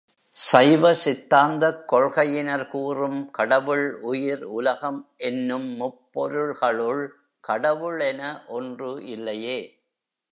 சைவ சித்தாந்தக் கொள்கையினர் கூறும் கடவுள், உயிர், உலகம் என்னும் முப்பொருள்களுள் கடவுள் என ஒன்று இல்லையே!